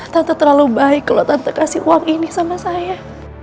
tante terlalu baik kalau tante kasih uang ini sama saya